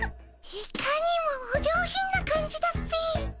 いかにもお上品な感じだっピィ。